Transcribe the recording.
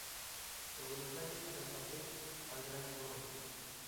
De Buenos Aires y Santa Fe al Gran Córdoba.